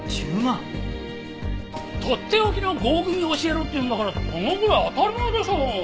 とっておきの合組を教えろって言うんだからそのぐらい当たり前でしょう。